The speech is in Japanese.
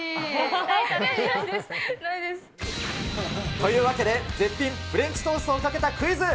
というわけで、絶品フレンチトーストをかけたクイズ。